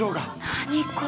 何これ。